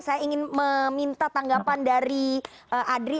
saya ingin meminta tanggapan dari adri